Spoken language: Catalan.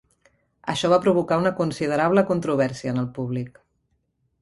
Això va provocar una considerable controvèrsia en el públic.